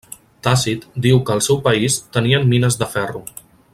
Tàcit diu que al seu país tenien mines de ferro.